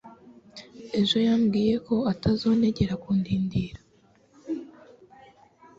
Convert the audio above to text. Ejo yambwiye ko atazonegera kundindira